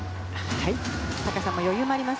高さも余裕もあります。